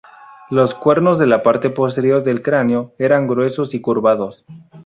Los cuernos de la parte posterior del cráneo eran gruesos y curvados.